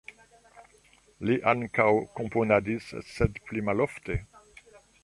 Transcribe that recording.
Li ankaŭ komponadis, sed pli malofte.